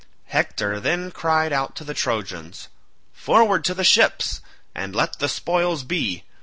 Hector then cried out to the Trojans, "Forward to the ships, and let the spoils be.